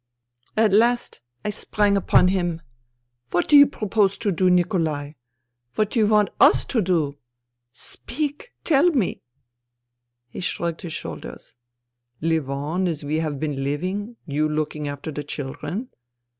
" At last I sprang upon him. ' What do you propose to do, Nikolai ? What do you want i^y to do ? Speak, tell me !'" He shrugged his shoulders. * Live on as we have been living, you looking after the children.